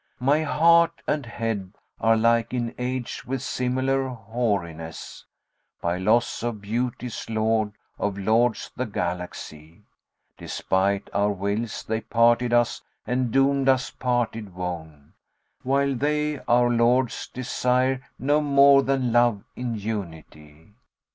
My heart and head are like in age with similar hoariness * By loss of Beauty's lord,[FN#77] of lords the galaxy: Despite our wills they parted us and doomed us parted wone, * While they (our lords) desire no more than love in unity.